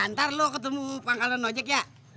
ntar lu ketemu pangkalan ojek ya